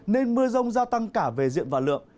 nên mưa rông gia tăng cả về diện và lượng